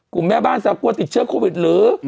แม่บ้านสาวกลัวติดเชื้อโควิดหรือ